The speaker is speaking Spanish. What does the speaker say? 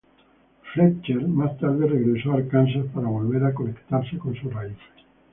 Fletcher más tarde regresó a Arkansas para volver a conectarse con sus raíces.